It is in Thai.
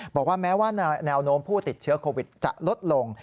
บอกว่าแม้ว่าแนวโน้มผู้ติดเชื้อโควิดจะลดลง